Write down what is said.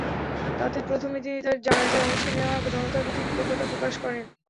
তাতে প্রথমে তিনি তাঁর জানাজায় অংশ নেওয়া জনতার প্রতি কৃতজ্ঞতা প্রকাশ করেন।